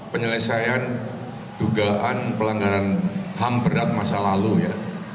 penyelesaian dugaan pelanggaran ham berat masa lalu ya